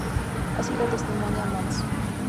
Así lo testimonia Mons.